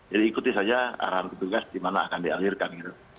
jadi ikuti saja arahan petugas di mana akan dialihkan gitu